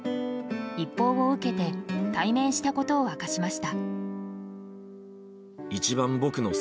一報を受けて対面したことを明かしました。